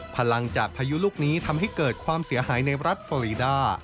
พลังจากพายุลูกนี้ทำให้เกิดความเสียหายในรัฐฟอรีดา